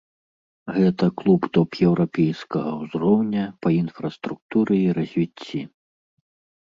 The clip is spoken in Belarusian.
Гэта клуб топ-еўрапейскага ўзроўня па інфраструктуры і развіцці.